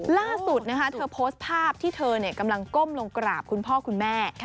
ล่าสุดเธอโพสต์ภาพที่เธอกำลังก้มลงกราบคุณพ่อคุณแม่